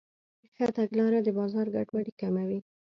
ښه تګلاره د بازار ګډوډي کموي.